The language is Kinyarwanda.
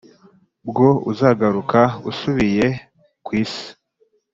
bwo uzagaruka usubiye ku isi